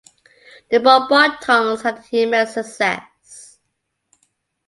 The bonbon tongs had an immense success.